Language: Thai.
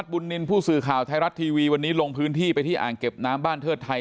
บุญนินทร์ผู้สื่อข่าวไทยรัฐทีวีวันนี้ลงพื้นที่ไปที่อ่างเก็บน้ำบ้านเทิดไทย